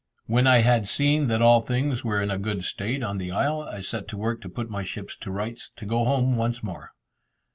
When I had seen that all things were in a good state on the isle, I set to work to put my ship to rights, to go home once more.